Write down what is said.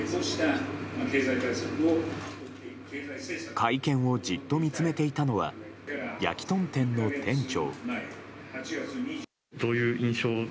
会見をじっと見つめていたのはやきとん店の店長。